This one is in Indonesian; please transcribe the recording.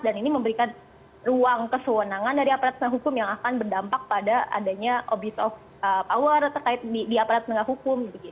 ini memberikan ruang kesewenangan dari aparat penegak hukum yang akan berdampak pada adanya abuse of power terkait di aparat penegak hukum